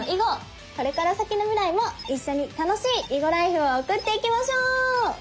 これから先の未来も一緒に楽しい囲碁ライフを送っていきましょう！